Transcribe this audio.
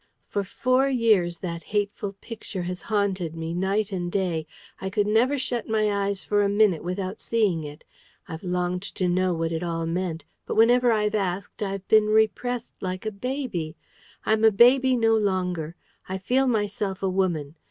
For four years that hateful Picture has haunted me night and day. I could never shut my eyes for a minute without seeing it. I've longed to know what it all meant; but whenever I've asked, I've been repressed like a baby. I'm a baby no longer: I feel myself a woman.